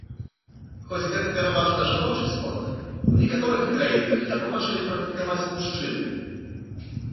Хоць гэта пераважна жаночы спорт, у некаторых краінах яго пачалі практыкаваць мужчыны.